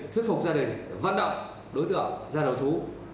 thuyết phục gia đình vận động đối tượng ra đầu thú